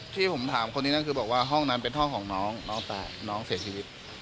ที่ผมถามคนนี้นั่นคือบอกว่าห้องนั้นเป็นห้องของน้องน้องเสียชีวิต